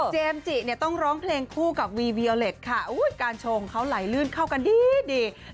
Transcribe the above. จิเนี่ยต้องร้องเพลงคู่กับวีวิโอเล็ตค่ะการชงเขาไหลลื่นเข้ากันดีดี